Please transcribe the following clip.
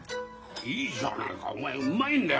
いいじゃねえかお前うまいんだよ。